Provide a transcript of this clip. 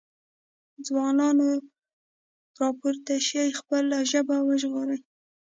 ځوانانو راپورته شئ خپله ژبه وژغورئ۔